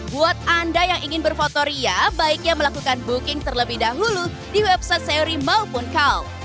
buat anda yang ingin berfotoria baiknya melakukan booking terlebih dahulu di website seori maupun kaum